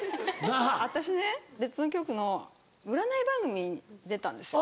私ね別の局の占い番組に出たんですよ。